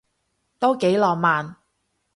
都幾浪漫